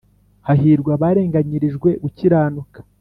Hahirwa abarenganyirijwe gukiranuka